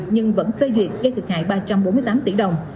nhưng vẫn phê duyệt gây thiệt hại ba trăm bốn mươi tám tỷ đồng